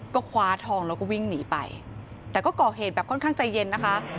ก็คว้าทองแล้วก็วิ่งหนีไปแต่ก็ก่อเหตุแบบค่อนข้างใจเย็นนะคะ